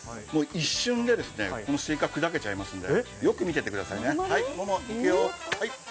一瞬でこのスイカ砕けちゃいますんで、よく見ててくださいね、はいモモ、いくよ。